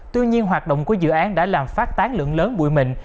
tuy nhiên hoạt động của dự án đã làm phát tán lượng lớn bụi mịn